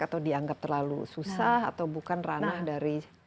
atau dianggap terlalu susah atau bukan ranah dari